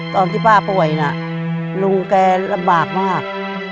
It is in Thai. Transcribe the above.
ตอนที่ป้าป่วยน่ะลุงแกลำบากมาก